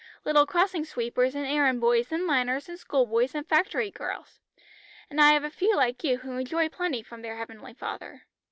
Little crossing sweepers, and errand boys, and miners, and school boys, and factory girls. And I have a few like you who enjoy plenty from their Heavenly Father."